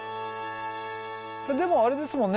でもあれですもんね